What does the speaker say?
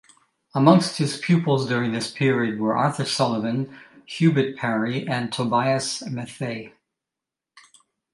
Amongst his pupils during this period were Arthur Sullivan, Hubert Parry, and Tobias Matthay.